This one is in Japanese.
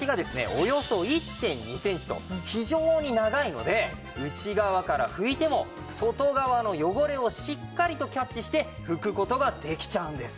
およそ１．２センチと非常に長いので内側から拭いても外側の汚れをしっかりとキャッチして拭く事ができちゃうんです。